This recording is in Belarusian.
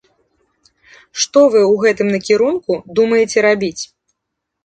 Што вы ў гэтым накірунку думаеце рабіць?